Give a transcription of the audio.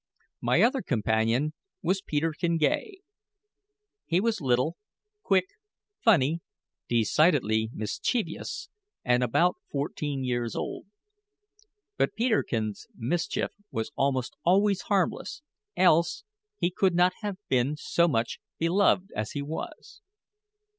My other companion was Peterkin Gay. He was little, quick, funny, decidedly mischievous, and about fourteen years old. But Peterkin's mischief was almost always harmless, else he could not have been so much beloved as he was.